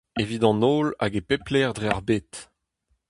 Evit an holl hag e pep lec'h dre ar bed !